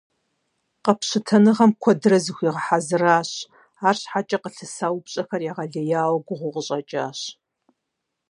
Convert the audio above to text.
Къэпщытэныгъэм куэдрэ зыхуигъэхьэзыращ, арщхьэкӀэ къылъыса упщӀэхэр егъэлеяуэ гугъуу къыщӀэкӀащ.